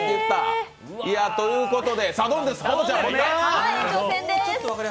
ということで、サドンデス！